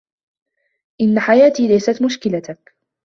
إنّ حياتي ليست مشكلتك.